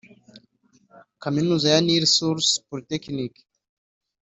Kaminuza ya Nile Source Polytechnic